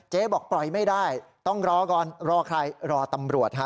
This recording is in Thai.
บอกปล่อยไม่ได้ต้องรอก่อนรอใครรอตำรวจฮะ